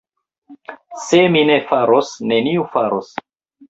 Se mi ne faros, neniu faros.